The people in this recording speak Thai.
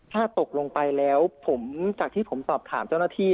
ถ้าตกลงไปแล้วผมจากที่ผมสอบถามเจ้าหน้าที่